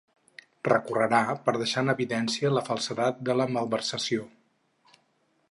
Recorrerà per deixar en evidència la falsedat de la malversació.